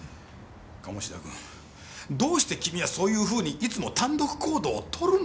鴨志田君どうして君はそういうふうにいつも単独行動をとるの？